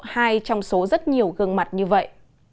hai trong số rất nhiều gương mặt như vậy